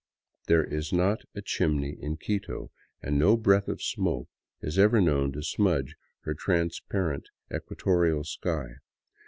There is not a chimney in Quito, and no breath of smoke is ever known to smudge her transparent equatorial sky.